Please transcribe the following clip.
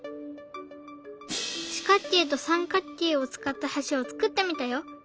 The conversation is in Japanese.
四角形と三角形を使った橋を作ってみたよ。